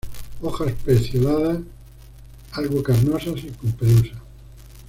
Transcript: Hojas pecioladas, algo carnosas y con pelusa.